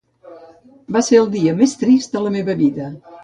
Va ser el dia més trist de la meva vida.